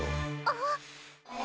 あっ。